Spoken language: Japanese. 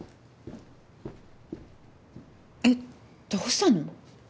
えっどうしたの？